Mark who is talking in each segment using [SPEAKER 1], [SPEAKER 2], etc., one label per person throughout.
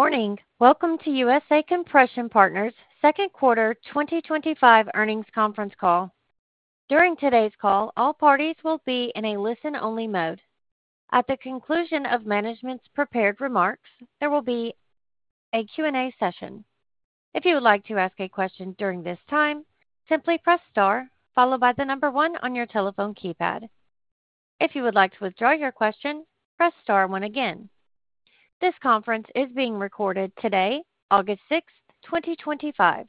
[SPEAKER 1] Morning. Welcome to USA Compression Partners' Second Quarter 2025 Earnings Conference Call. During today's call, all parties will be in a listen-only mode. At the conclusion of management's prepared remarks, there will be a Q&A session. If you would like to ask a question during this time, simply press star, followed by the number one on your telephone keypad. If you would like to withdraw your question, press star one again. This conference is being recorded today, August 6, 2025.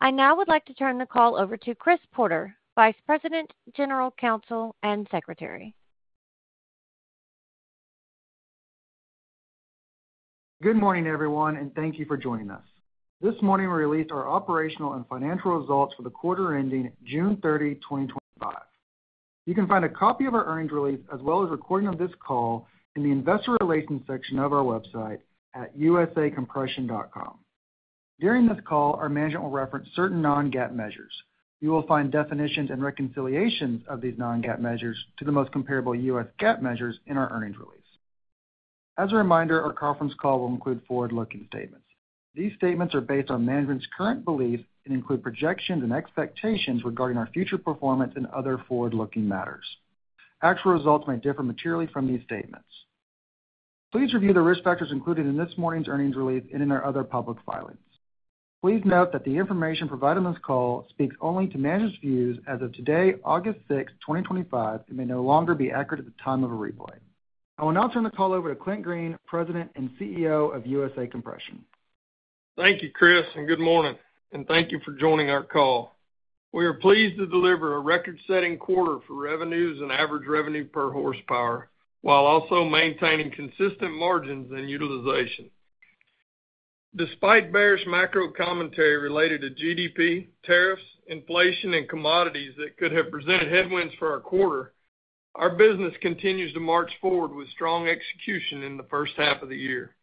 [SPEAKER 1] I now would like to turn the call over to Chris Porter, Vice President, General Counsel, and Secretary.
[SPEAKER 2] Good morning, everyone, and thank you for joining us. This morning, we released our operational and financial results for the quarter ending June 30, 2025. You can find a copy of our earnings release, as well as a recording of this call, in the Investor Relations section of our website at usacompression.com. During this call, our management will reference certain non-GAAP measures. You will find definitions and reconciliations of these non-GAAP measures to the most comparable U.S. GAAP measures in our earnings release. As a reminder, our conference call will include forward-looking statements. These statements are based on management's current beliefs and include projections and expectations regarding our future performance and other forward-looking matters. Actual results may differ materially from these statements. Please review the risk factors included in this morning's earnings release and in our other public filings. Please note that the information provided on this call speaks only to management's views as of today, August 6, 2025, and may no longer be accurate at the time of a replay. I will now turn the call over to Clint Green, President and CEO of USA Compression.
[SPEAKER 3] Thank you, Chris, and good morning, and thank you for joining our call. We are pleased to deliver a record-setting quarter for revenues and average revenue per horsepower, while also maintaining consistent margins and utilization. Despite bearish macro commentary related to GDP, tariffs, inflation, and commodities that could have presented headwinds for our quarter, our business continues to march forward with strong execution in the first half of the year.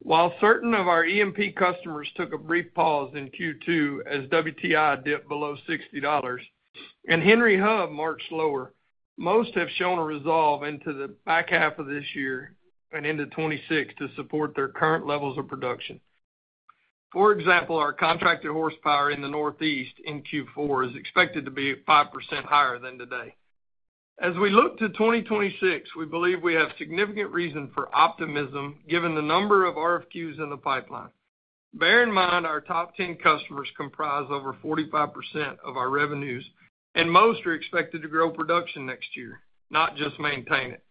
[SPEAKER 3] While certain of our E&P customers took a brief pause in Q2 as WTI dipped below $60 and Henry Hub marched lower, most have shown a resolve into the back half of this year and into 2026 to support their current levels of production. For example, our contracted horsepower in the Northeast in Q4 is expected to be 5% higher than today. As we look to 2026, we believe we have significant reason for optimism given the number of RFQs in the pipeline. Bear in mind our top 10 customers comprise over 45% of our revenues, and most are expected to grow production next year, not just maintain it.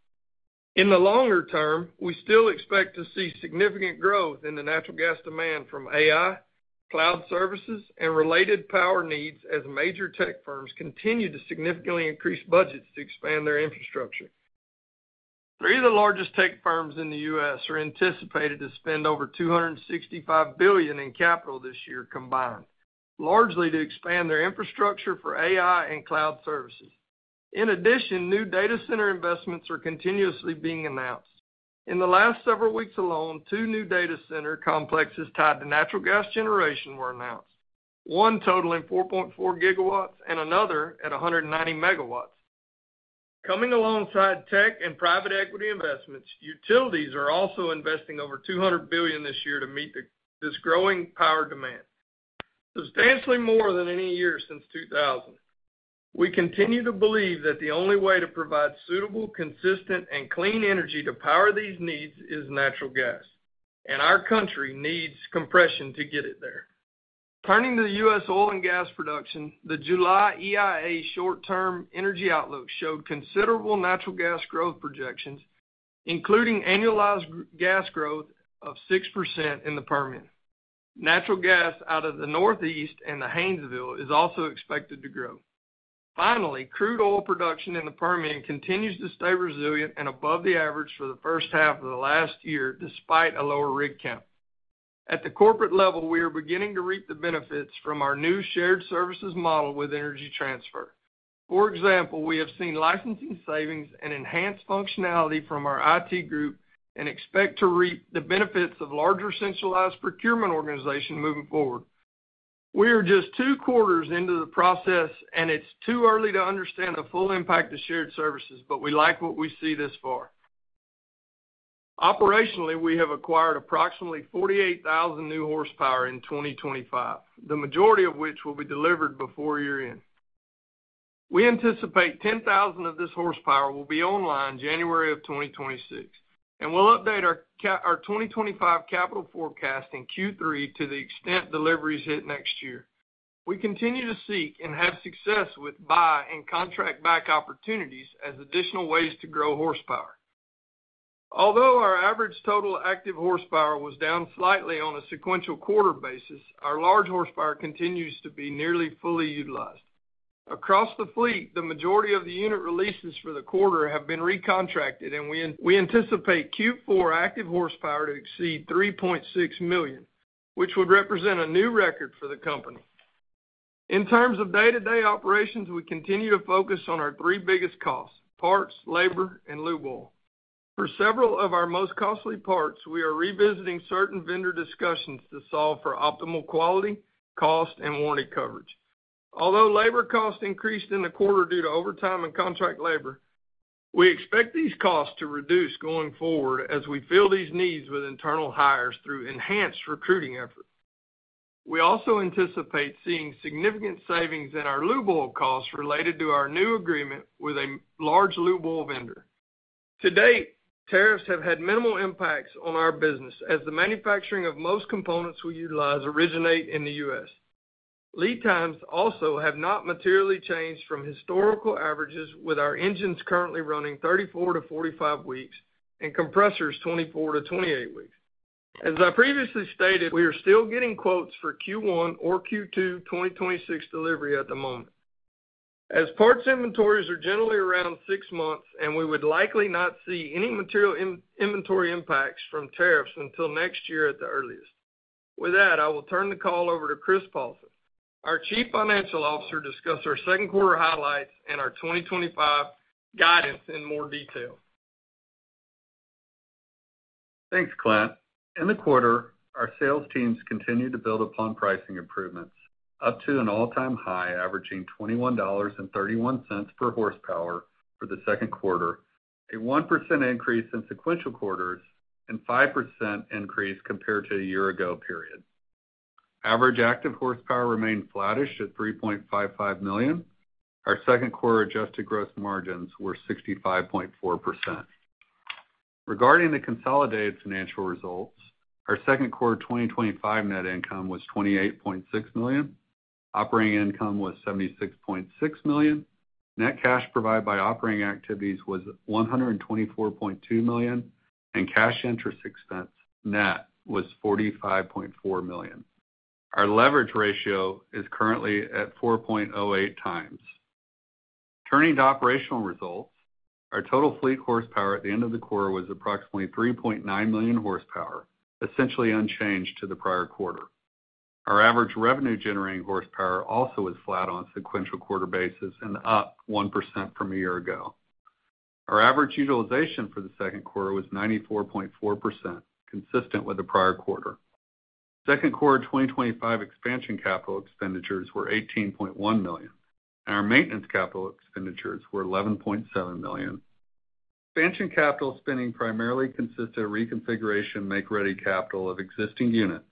[SPEAKER 3] In the longer term, we still expect to see significant growth in the natural gas demand from AI, cloud services, and related power needs as major tech firms continue to significantly increase budgets to expand their infrastructure. Three of the largest tech firms in the U.S. are anticipated to spend over $265 billion in capital this year combined, largely to expand their infrastructure for AI and cloud services. In addition, new data center investments are continuously being announced. In the last several weeks alone, two new data center complexes tied to natural gas generation were announced, one totaling 4.4 GW and another at 190 MW. Coming alongside tech and private equity investments, utilities are also investing over $200 billion this year to meet this growing power demand, substantially more than any year since 2000. We continue to believe that the only way to provide suitable, consistent, and clean energy to power these needs is natural gas, and our country needs compression to get it there. Turning to U.S. oil and gas production, the July EIA Short-Term Energy Outlook showed considerable natural gas growth projections, including annualized gas growth of 6% in the Permian. Natural gas out of the Northeast and the Haynesville is also expected to grow. Finally, crude oil production in the Permian continues to stay resilient and above the average for the first half of the last year, despite a lower rig count. At the corporate level, we are beginning to reap the benefits from our new shared services model with Energy Transfer. For example, we have seen licensing savings and enhanced functionality from our IT group and expect to reap the benefits of larger centralized procurement organizations moving forward. We are just two quarters into the process, and it's too early to understand the full impact of shared services, but we like what we see thus far. Operationally, we have acquired approximately 48,000 new hp in 2025, the majority of which will be delivered before year-end. We anticipate 10,000 of this horsepower will be online in January of 2026, and we'll update our 2025 capital forecast in Q3 to the extent deliveries hit next year. We continue to seek and have success with buy and contract back opportunities as additional ways to grow horsepower. Although our average total active horsepower was down slightly on a sequential quarter basis, our large horsepower continues to be nearly fully utilized. Across the fleet, the majority of the unit releases for the quarter have been recontracted, and we anticipate Q4 active horsepower to exceed 3.6 million, which would represent a new record for the company. In terms of day-to-day operations, we continue to focus on our three biggest costs: parts, labor, and lube oil. For several of our most costly parts, we are revisiting certain vendor discussions to solve for optimal quality, cost, and warranty coverage. Although labor costs increased in the quarter due to overtime and contract labor, we expect these costs to reduce going forward as we fill these needs with internal hires through enhanced recruiting efforts. We also anticipate seeing significant savings in our lube oil costs related to our new agreement with a large lube oil vendor. To date, tariffs have had minimal impacts on our business as the manufacturing of most components we utilize originates in the U.S. Lead times also have not materially changed from historical averages, with our engines currently running 34 to 45 weeks and compressors 24 to 28 weeks. As I previously stated, we are still getting quotes for Q1 or Q2 2026 delivery at the moment. As parts inventories are generally around six months, we would likely not see any material inventory impacts from tariffs until next year at the earliest. With that, I will turn the call over to Chris Paulsen, our Chief Financial Officer, to discuss our second quarter highlights and our 2025 guidance in more detail.
[SPEAKER 4] Thanks, Clint. In the quarter, our sales teams continued to build upon pricing improvements up to an all-time high averaging $21.31 per horsepower for the second quarter, a 1% increase in sequential quarters and a 5% increase compared to a year ago period. Average active horsepower remained flattish at 3.55 million. Our second quarter adjusted gross margins were 65.4%. Regarding the consolidated financial results, our second quarter 2025 net income was $28.6 million. Operating income was $76.6 million. Net cash provided by operating activities was $124.2 million, and cash interest expense net was $45.4 million. Our leverage ratio is currently at 4.08x. Turning to operational results, our total fleet horsepower at the end of the quarter was approximately 3.9 million hp, essentially unchanged to the prior quarter. Our average revenue generating horsepower also was flat on a sequential quarter basis and up 1% from a year ago. Our average utilization for the second quarter was 94.4%, consistent with the prior quarter. Second quarter 2025 expansion capital expenditures were $18.1 million, and our maintenance capital expenditures were $11.7 million. Expansion capital spending primarily consisted of reconfiguration make-ready capital of existing units,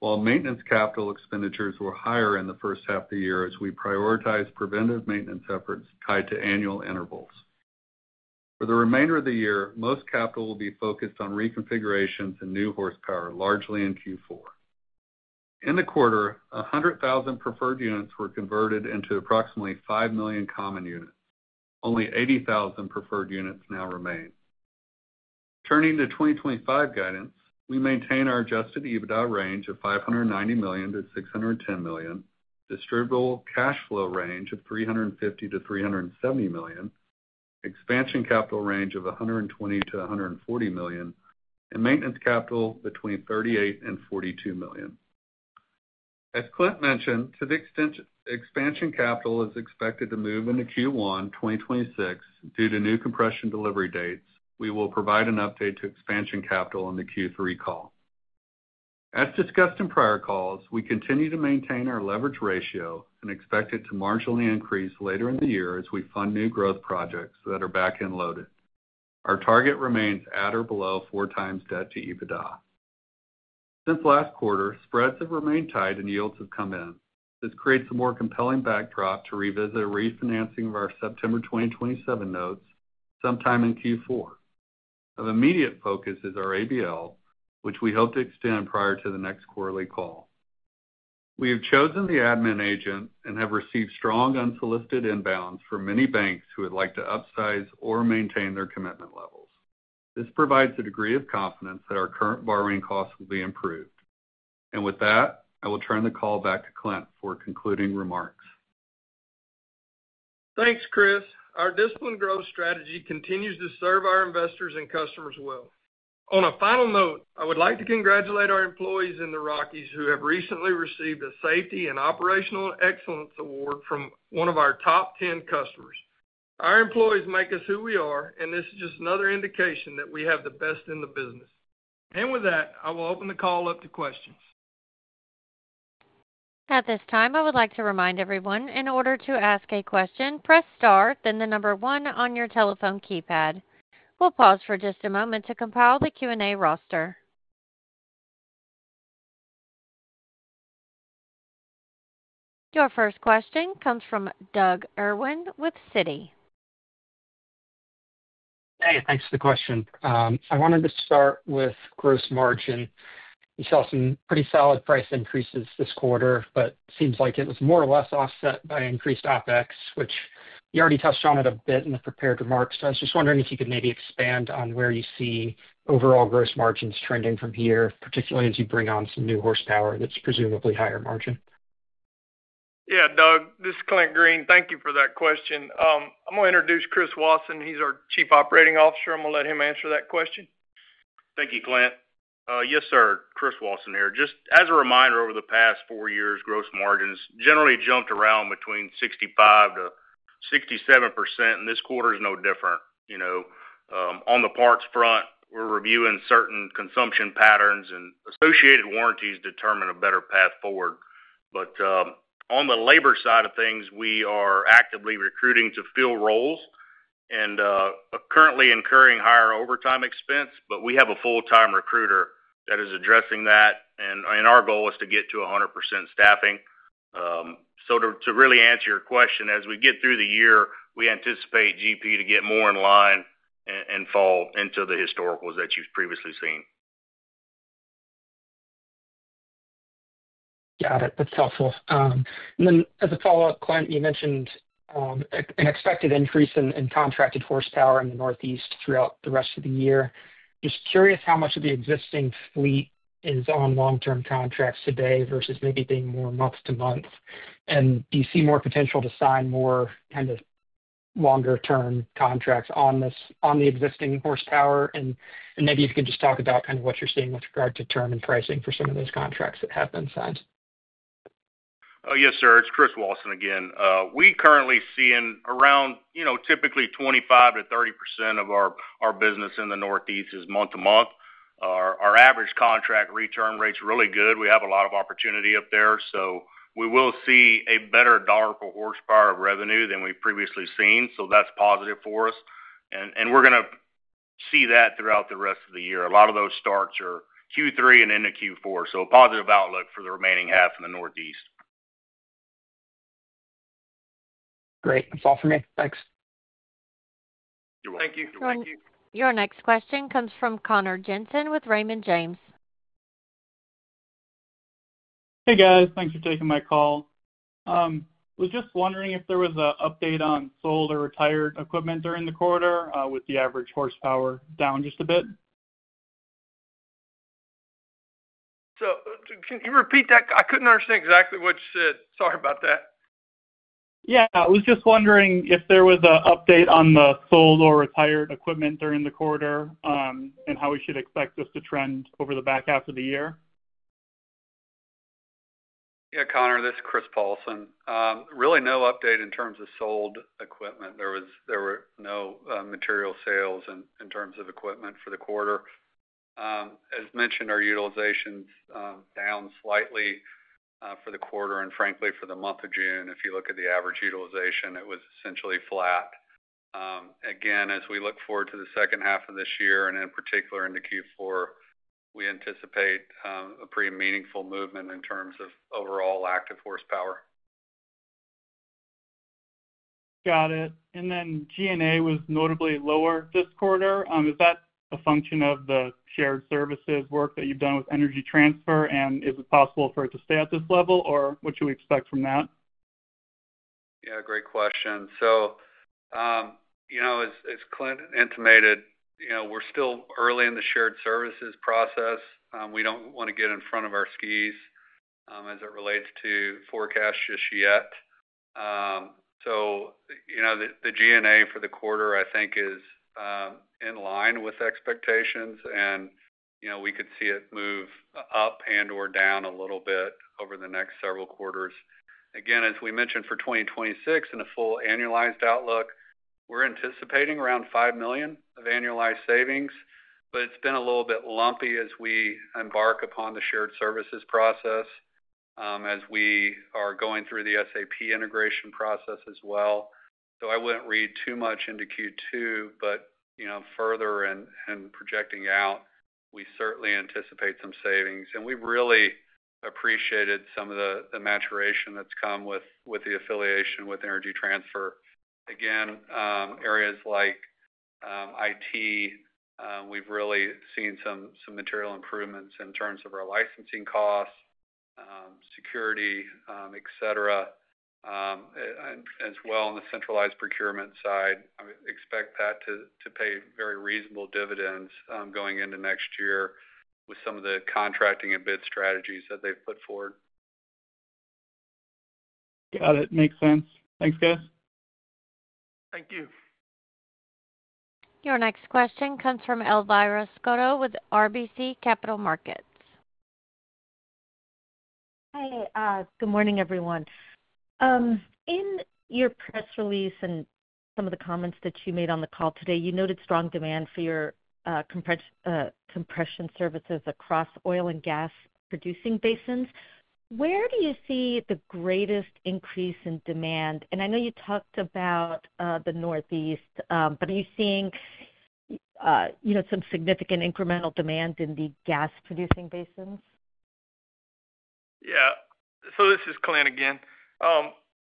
[SPEAKER 4] while maintenance capital expenditures were higher in the first half of the year as we prioritized preventive maintenance efforts tied to annual intervals. For the remainder of the year, most capital will be focused on reconfigurations and new horsepower, largely in Q4. In the quarter, 100,000 preferred units were converted into approximately 5 million common units. Only 80,000 preferred units now remain. Turning to 2025 guidance, we maintain our adjusted EBITDA range of $590 million-$610 million, distributable cash flow range of $350 million-$370 million, expansion capital range of $120 million-$140 million, and maintenance capital between $38 million and $42 million. As Clint mentioned, to the extent expansion capital is expected to move into Q1 2026 due to new compression delivery dates, we will provide an update to expansion capital in the Q3 call. As discussed in prior calls, we continue to maintain our leverage ratio and expect it to marginally increase later in the year as we fund new growth projects that are backend loaded. Our target remains at or below 4x debt to EBITDA. Since last quarter, spreads have remained tight and yields have come in. This creates a more compelling backdrop to revisit our refinancing of our September 2027 notes sometime in Q4. Of immediate focus is our ABL, which we hope to extend prior to the next quarterly call. We have chosen the admin agent and have received strong unsolicited inbounds from many banks who would like to upsize or maintain their commitment levels. This provides a degree of confidence that our current borrowing costs will be improved. With that, I will turn the call back to Clint for concluding remarks.
[SPEAKER 3] Thanks, Chris. Our disciplined growth strategy continues to serve our investors and customers well. On a final note, I would like to congratulate our employees in the Rockies who have recently received a Safety and Operational Excellence Award from one of our top 10 customers. Our employees make us who we are, and this is just another indication that we have the best in the business. I will open the call up to questions.
[SPEAKER 1] At this time, I would like to remind everyone, in order to ask a question, press star, then the number one on your telephone keypad. We'll pause for just a moment to compile the Q&A roster. Your first question comes from Doug Irwin with Citi.
[SPEAKER 5] Hey, thanks for the question. I wanted to start with gross margin. We saw some pretty solid price increases this quarter, but it seems like it was more or less offset by increased OpEx, which you already touched on a bit in the prepared remarks. I was just wondering if you could maybe expand on where you see overall gross margins trending from here, particularly as you bring on some new horsepower that's presumably higher margin.
[SPEAKER 3] Yeah, Doug, this is Clint Green. Thank you for that question. I'm going to introduce Chris Wauson. He's our Chief Operating Officer. I'm going to let him answer that question.
[SPEAKER 6] Thank you, Clint. Yes, sir. Chris Wauson here. Just as a reminder, over the past four years, gross margins generally jumped around between 65%-67%, and this quarter is no different. On the parts front, we're reviewing certain consumption patterns and associated warranties to determine a better path forward. On the labor side of things, we are actively recruiting to fill roles and are currently incurring higher overtime expense. We have a full-time recruiter that is addressing that, and our goal is to get to 100% staffing. To really answer your question, as we get through the year, we anticipate G&A to get more in line and fall into the historicals that you've previously seen.
[SPEAKER 5] Got it. That's helpful. As a follow-up, Clint, you mentioned an expected increase in contracted horsepower in the Northeast throughout the rest of the year. Just curious how much of the existing fleet is on long-term contracts today versus maybe being more month-to-month, and do you see more potential to sign more kind of longer-term contracts on the existing horsepower? Maybe you can just talk about what you're seeing with regard to term and pricing for some of those contracts that have been signed.
[SPEAKER 6] Yes, sir. It's Chris Wauson again. We currently see around, you know, typically 25%-30% of our business in the Northeast is month-to-month. Our average contract return rate is really good. We have a lot of opportunity up there. We will see a better dollar per horsepower of revenue than we've previously seen. That's positive for us, and we're going to see that throughout the rest of the year. A lot of those starts are Q3 and into Q4. A positive outlook for the remaining half in the Northeast.
[SPEAKER 5] Great. That's all for me. Thanks.
[SPEAKER 6] You're welcome.
[SPEAKER 3] Thank you.
[SPEAKER 1] Your next question comes from Connor Jensen with Raymond James.
[SPEAKER 7] Hey, guys. Thanks for taking my call. I was just wondering if there was an update on sold or retired equipment during the quarter, with the average horsepower down just a bit.
[SPEAKER 3] Can you repeat that? I couldn't understand exactly what you said. Sorry about that.
[SPEAKER 7] Yeah, I was just wondering if there was an update on the sold or retired equipment during the quarter, and how we should expect this to trend over the back half of the year.
[SPEAKER 4] Yeah, Connor, this is Chris Paulsen. Really, no update in terms of sold equipment. There were no material sales in terms of equipment for the quarter. As mentioned, our utilization is down slightly for the quarter and, frankly, for the month of June. If you look at the average utilization, it was essentially flat. Again, as we look forward to the second half of this year and in particular into Q4, we anticipate a pretty meaningful movement in terms of overall active horsepower.
[SPEAKER 7] Got it. G&A was notably lower this quarter. Is that a function of the shared services work that you've done with Energy Transfer, and is it possible for it to stay at this level, or what should we expect from that?
[SPEAKER 4] Yeah, great question. As Clint intimated, we're still early in the shared services process. We don't want to get in front of our skis as it relates to forecasts just yet. The G&A for the quarter, I think, is in line with expectations, and we could see it move up and/or down a little bit over the next several quarters. As we mentioned, for 2026 in a full annualized outlook, we're anticipating around $5 million of annualized savings, but it's been a little bit lumpy as we embark upon the shared services process as we are going through the SAP integration process as well. I wouldn't read too much into Q2, but further and projecting out, we certainly anticipate some savings. We've really appreciated some of the maturation that's come with the affiliation with Energy Transfer. Areas like IT, we've really seen some material improvements in terms of our licensing costs, security, etc., as well on the centralized procurement side. I expect that to pay very reasonable dividends going into next year with some of the contracting and bid strategies that they've put forward.
[SPEAKER 7] Got it. Makes sense. Thanks, guys.
[SPEAKER 3] Thank you.
[SPEAKER 1] Your next question comes from Elvira Scotto with RBC Capital Markets.
[SPEAKER 8] Hey, good morning, everyone. In your press release and some of the comments that you made on the call today, you noted strong demand for your compression services across oil and gas producing basins. Where do you see the greatest increase in demand? I know you talked about the Northeast, but are you seeing some significant incremental demand in the gas producing basins?
[SPEAKER 3] Yeah. This is Clint again.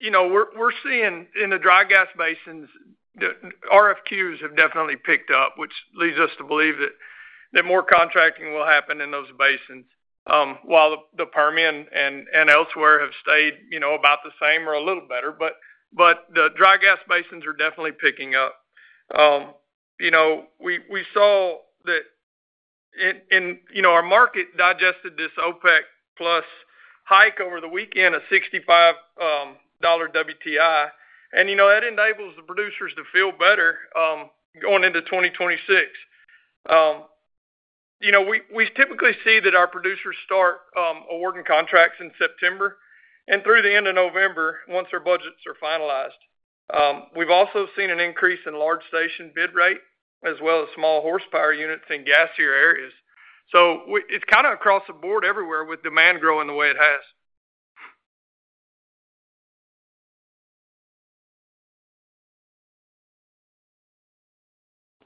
[SPEAKER 3] We're seeing in the dry gas basins, the RFQs have definitely picked up, which leads us to believe that more contracting will happen in those basins, while the Permian and elsewhere have stayed about the same or a little better. The dry gas basins are definitely picking up. We saw that our market digested this OPEC+ hike over the weekend of $65 WTI, and that enables the producers to feel better going into 2026. We typically see that our producers start awarding contracts in September and through the end of November once our budgets are finalized. We've also seen an increase in large station bid rate, as well as small horsepower units in gassier areas. It's kind of across the board everywhere with demand growing the way it has.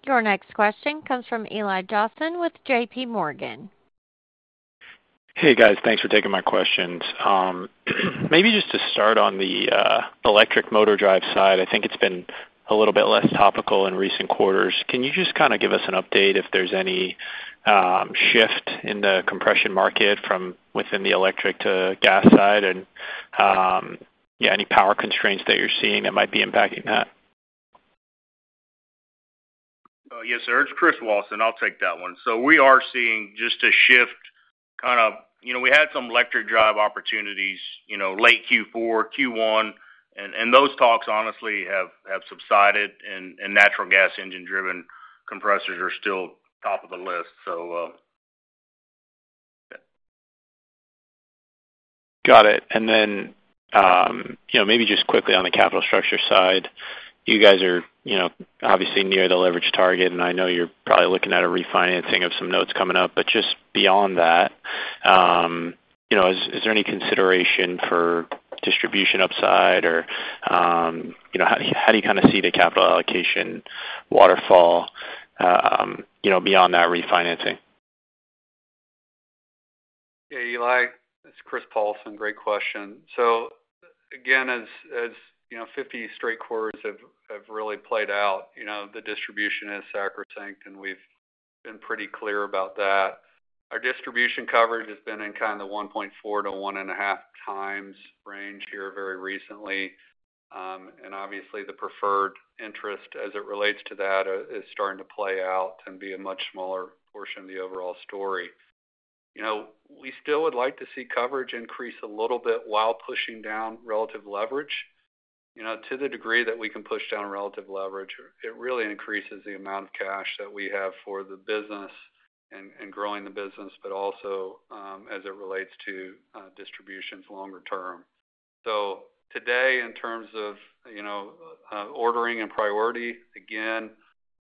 [SPEAKER 1] Your next question comes from Eli Jossen with JPMorgan.
[SPEAKER 9] Hey, guys. Thanks for taking my questions. Maybe just to start on the electric motor drive side, I think it's been a little bit less topical in recent quarters. Can you just kind of give us an update if there's any shift in the compression market from within the electric to gas side, and any power constraints that you're seeing that might be impacting that?
[SPEAKER 6] Yes, sir. It's Chris Wauson. I'll take that one. We are seeing just a shift, kind of, you know, we had some electric drive opportunities late Q4, Q1, and those talks honestly have subsided. Natural gas engine-driven compressors are still top of the list.
[SPEAKER 9] Got it. Maybe just quickly on the capital structure side, you guys are obviously near the leverage target, and I know you're probably looking at a refinancing of some notes coming up. Just beyond that, is there any consideration for distribution upside, or how do you kind of see the capital allocation waterfall beyond that refinancing?
[SPEAKER 4] Yeah, Eli. This is Chris Paulsen. Great question. As you know, 50 straight quarters have really played out, the distribution is sacrosanct. We've been pretty clear about that. Our distribution coverage has been in kind of the 1.4x-1.5x range here very recently. Obviously, the preferred interest as it relates to that is starting to play out and be a much smaller portion of the overall story. We still would like to see coverage increase a little bit while pushing down relative leverage. To the degree that we can push down relative leverage, it really increases the amount of cash that we have for the business and growing the business, but also as it relates to distributions longer term. Today, in terms of ordering and priority,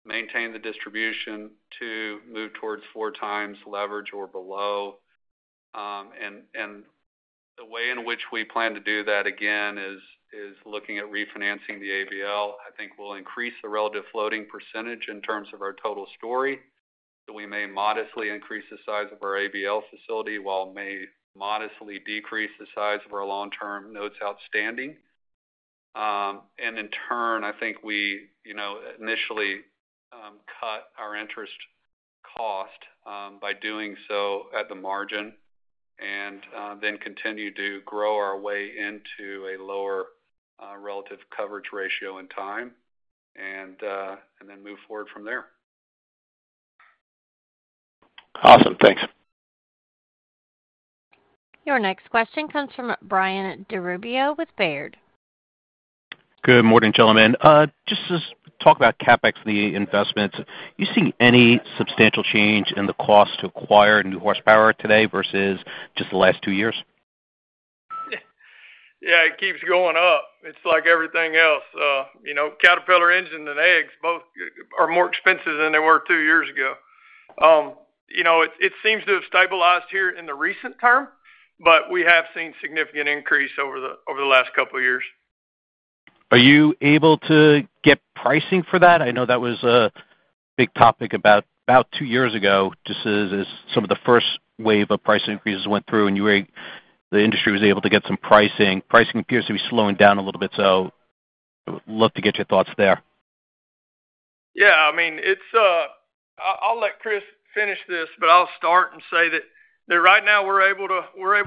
[SPEAKER 4] maintain the distribution to move towards 4x leverage or below. The way in which we plan to do that is looking at refinancing the ABL. I think we'll increase the relative floating percentage in terms of our total story. We may modestly increase the size of our ABL facility while we may modestly decrease the size of our long-term notes outstanding. In turn, I think we initially cut our interest cost by doing so at the margin and then continue to grow our way into a lower relative coverage ratio in time and then move forward from there.
[SPEAKER 9] Awesome. Thanks.
[SPEAKER 1] Your next question comes from Brian DiRubbio with Baird.
[SPEAKER 10] Good morning, gentlemen. Just to talk about CapEx for the investments, you see any substantial change in the cost to acquire new horsepower today versus just the last two years?
[SPEAKER 3] Yeah, it keeps going up. It's like everything else. You know, Caterpillar engines and eggs both are more expensive than they were two years ago. It seems to have stabilized here in the recent term, but we have seen a significant increase over the last couple of years.
[SPEAKER 10] Are you able to get pricing for that? I know that was a big topic about two years ago, just as some of the first wave of price increases went through and you were able to get some pricing. Pricing appears to be slowing down a little bit, so I would love to get your thoughts there.
[SPEAKER 3] Yeah, I mean, I'll let Chris finish this, but I'll start and say that right now we're able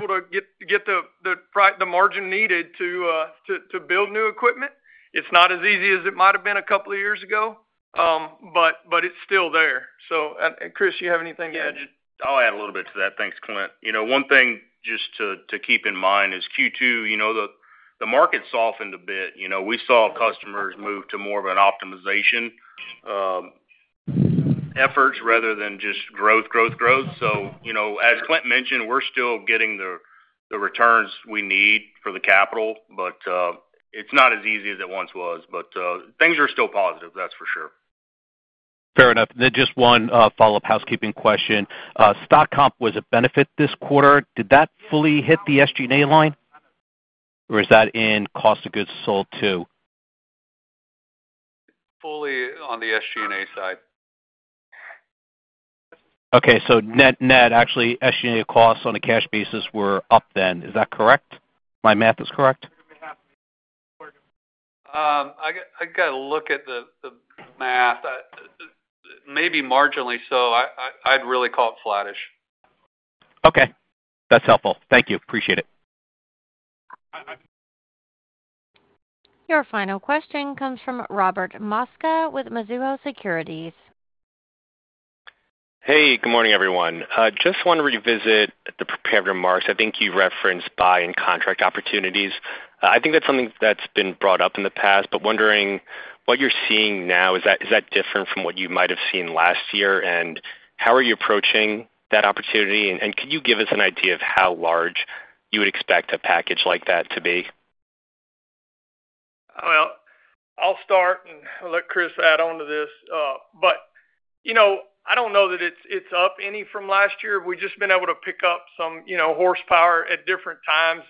[SPEAKER 3] to get the margin needed to build new equipment. It's not as easy as it might have been a couple of years ago, but it's still there. Chris, do you have anything to add?
[SPEAKER 6] Yeah, I'll add a little bit to that. Thanks, Clint. One thing just to keep in mind is Q2, the market softened a bit. We saw customers move to more of an optimization effort rather than just growth, growth, growth. As Clint mentioned, we're still getting the returns we need for the capital, but it's not as easy as it once was. Things are still positive, that's for sure.
[SPEAKER 10] Fair enough. Just one follow-up housekeeping question. Stock comp was a benefit this quarter. Did that fully hit the SG&A line, or is that in cost of goods sold too?
[SPEAKER 6] Fully on the SG&A side.
[SPEAKER 10] Okay. Net net, actually, SG&A costs on a cash basis were up then. Is that correct? My math is correct?
[SPEAKER 3] I got to look at the math. Maybe marginally, so I'd really call it flattish.
[SPEAKER 10] Okay. That's helpful. Thank you. Appreciate it.
[SPEAKER 1] Your final question comes from Robert Mosca with Mizuho Securities.
[SPEAKER 11] Hey, good morning, everyone. I just want to revisit the prepared remarks. I think you referenced buy and contract opportunities. I think that's something that's been brought up in the past, but wondering what you're seeing now, is that different from what you might have seen last year, and how are you approaching that opportunity? Could you give us an idea of how large you would expect a package like that to be?
[SPEAKER 3] I will start and let Chris add on to this. I do not know that it is up any from last year. We have just been able to pick up some horsepower at different times,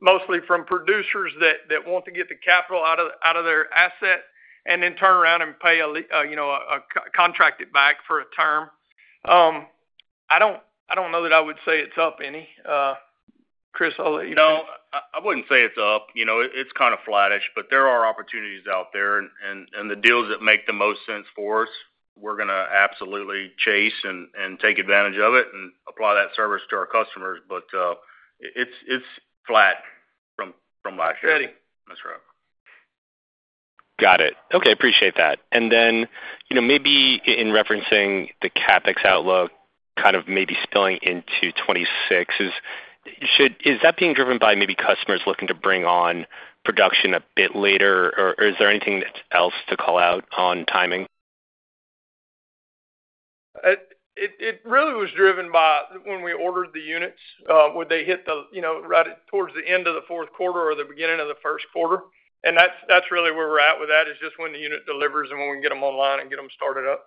[SPEAKER 3] mostly from producers that want to get the capital out of their asset and then turn around and pay a contract it back for a term. I do not know that I would say it is up any. Chris, I will let you know.
[SPEAKER 6] No, I wouldn't say it's up. It's kind of flattish, but there are opportunities out there, and the deals that make the most sense for us, we're going to absolutely chase and take advantage of it and apply that service to our customers. It's flat from last year.
[SPEAKER 11] Got it. Okay. Appreciate that. In referencing the CapEx outlook, kind of maybe spilling into 2026, is that being driven by maybe customers looking to bring on production a bit later, or is there anything else to call out on timing?
[SPEAKER 3] It really was driven by when we ordered the units. Would they hit the, you know, towards the end of the fourth quarter or the beginning of the first quarter? That's really where we're at with that, just when the unit delivers and when we can get them online and get them started up.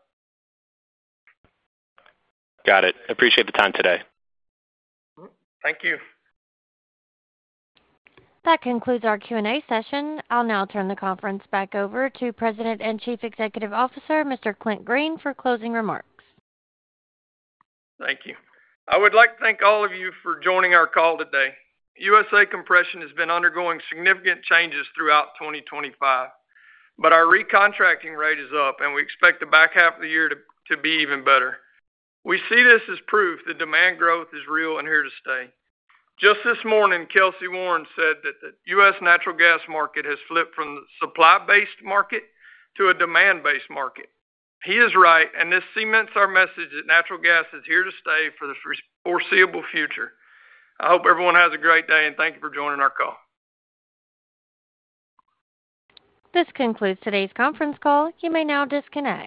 [SPEAKER 11] Got it. Appreciate the time today.
[SPEAKER 3] Thank you.
[SPEAKER 1] That concludes our Q&A session. I'll now turn the conference back over to President and Chief Executive Officer, Mr. Clint Green, for closing remarks.
[SPEAKER 3] Thank you. I would like to thank all of you for joining our call today. USA Compression Partners has been undergoing significant changes throughout 2025, but our re-contracting rate is up, and we expect the back half of the year to be even better. We see this as proof that demand growth is real and here to stay. Just this morning, Kelcy Warren said that the U.S. natural gas market has flipped from the supply-based market to a demand-based market. He is right, and this cements our message that natural gas is here to stay for the foreseeable future. I hope everyone has a great day, and thank you for joining our call.
[SPEAKER 1] This concludes today's conference call. You may now disconnect.